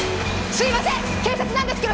すいません。